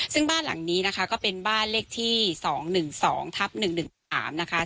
ซึ่งบ้านหลังนี้นะคะก็เป็นบ้านเลขที่๒๑๒ทับ๑๑๓นะคะ